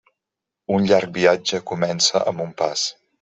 Un llarg viatge comença amb un pas.